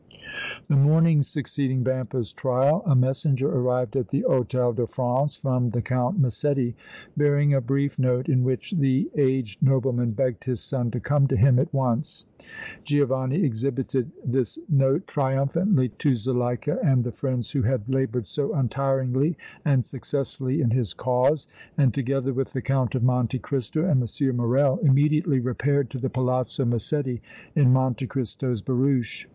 The morning succeeding Vampa's trial a messenger arrived at the Hôtel de France from the Count Massetti, bearing a brief note in which the aged nobleman begged his son to come to him at once. Giovanni exhibited this note triumphantly to Zuleika and the friends who had labored so untiringly and successfully in his cause, and, together with the Count of Monte Cristo and M. Morrel, immediately repaired to the Palazzo Massetti in Monte Cristo's barouche.